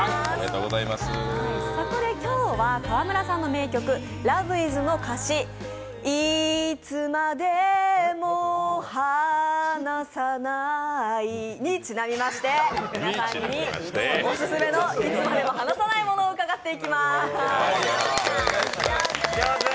そこで今日は河村さんの名曲、「ＬＯＶＥｉｓ．．．」のいつまでも離さないにちなみましておすすめのいつまでも離さないものを伺います。